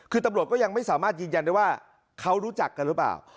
คือตำรวจก็ยังไม่สามารถยืนยันได้ว่าเขารู้จักกันหรือเปล่า